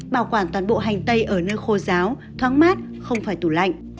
bảo quản toàn bộ hành tây ở nơi khô giáo thoáng mát không phải tủ lạnh